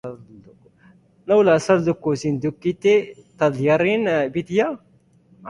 Nola azalduko zenukete taldearen bidea?